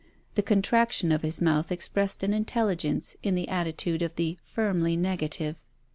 The contraction of his mouth expressed an intelligence in the attitude of the firmly negative.